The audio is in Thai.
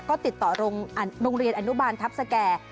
ก็ติดต่อโรงเรียนอนุบาลทัพสแก่